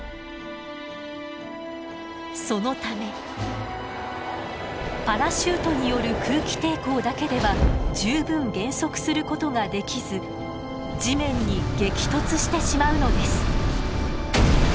そのためパラシュートによる空気抵抗だけでは十分減速することができず地面に激突してしまうのです。